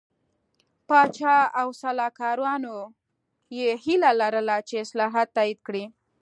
پاچا او سلاکارانو یې هیله لرله چې اصلاحات تایید کړي.